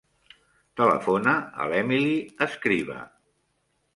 Telefona a l'Emily Escriba.